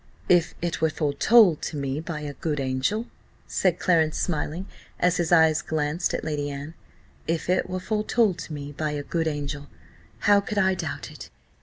"If it were foretold to me by a good angel," said Clarence, smiling, as his eye glanced at Lady Anne; "if it were foretold to me by a good angel, how could I doubt it?"